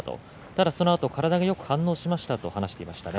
ただそのあと体がうまく反応しましたと話していました。